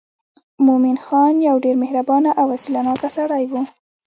مومن خان یو ډېر مهربانه او وسیله ناکه سړی و.